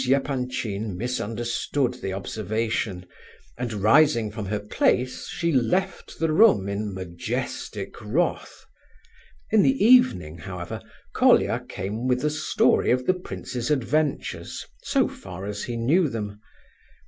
Epanchin misunderstood the observation, and rising from her place she left the room in majestic wrath. In the evening, however, Colia came with the story of the prince's adventures, so far as he knew them.